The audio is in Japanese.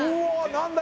何だ？